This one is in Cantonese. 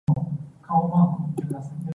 仲有好多老人家鐘意飲早茶